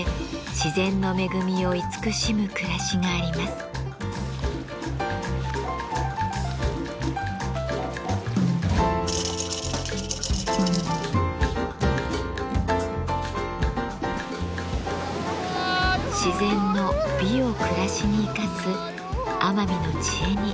自然の美を暮らしに生かす奄美の知恵に触れてみませんか。